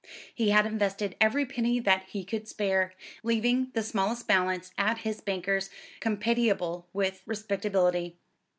He had invested every penny that he could spare, leaving the smallest balance at his banker's compatible with respectability.